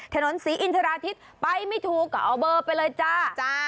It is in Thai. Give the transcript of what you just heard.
ถนนศรีอินทราทิศไปไม่ถูกก็เอาเบอร์ไปเลยจ้า